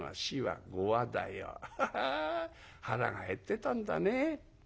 ハハハ腹が減ってたんだね。